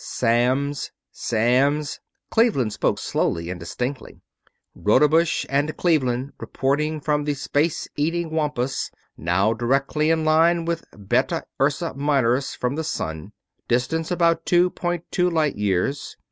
"Samms ... Samms." Cleveland spoke slowly and distinctly. "Rodebush and Cleveland reporting from the 'Space Eating Wampus', now directly in line with Beta Ursae Minoris from the sun, distance about two point two light years.